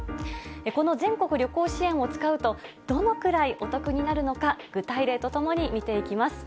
この全国旅行支援を使うと、どのくらいお得になるのか、具体例とともに見ていきます。